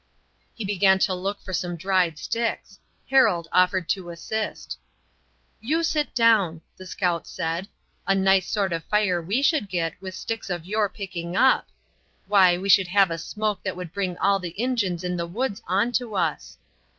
He began to look for some dried sticks. Harold offered to assist. "You sit down," the scout said. "A nice sort of fire we should get with sticks of your picking up! Why, we should have a smoke that would bring all the Injuns in the woods on to us.